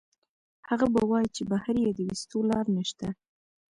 هغه به وائي چې بهر ئې د ويستو لار نشته